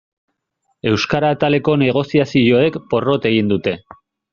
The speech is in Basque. Euskara ataleko negoziazioek porrot egin dute.